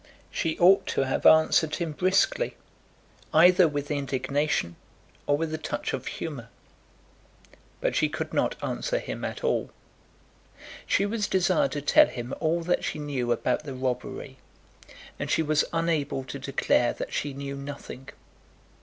She ought to have answered him briskly, either with indignation or with a touch of humour. But she could not answer him at all. She was desired to tell him all that she knew about the robbery, and she was unable to declare that she knew nothing.